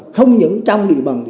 không những trong địa bàn